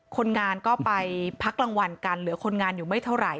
คนงานก็ไปพักรางวัลกันเหลือคนงานอยู่ไม่เท่าไหร